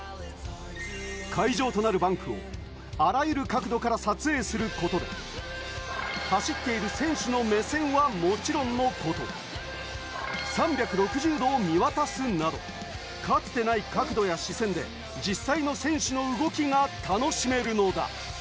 会場となるバンクをあらゆる角度から撮影することで、走っている選手の目線はもちろんのこと、３６０度を見渡すなどかつてない角度や視線で実際の選手の動きが楽しめるのだ。